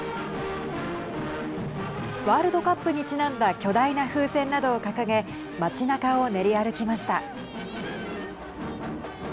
ワールドカップにちなんだ巨大な風船などを掲げ街なかを練り歩きました。